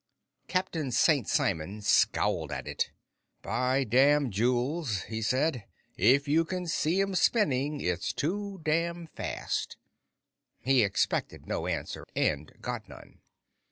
Captain St. Simon scowled at it. "By damn, Jules," he said, "if you can see 'em spinning, it's too damn fast!" He expected no answer, and got none.